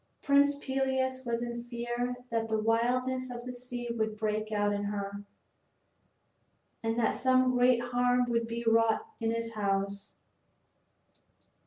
Prince Peleus was in fear that the wildness of the sea would break out in her, and that some great harm would be wrought in his house.